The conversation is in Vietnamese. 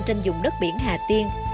trên dùng đất biển hà tiên